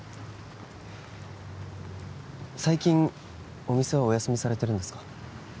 最近お店はお休みされてるんですか？